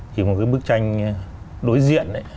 thì một cái bức tranh đối diện ấy